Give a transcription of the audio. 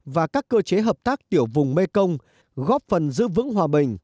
và các cơ chế hợp tác tiểu vùng mekong góp phần giữ vững hòa bình